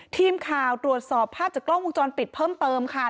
ทีมข่าวตรวจสอบภาพจากกล้องวงจรปิดเพิ่มเติมค่ะ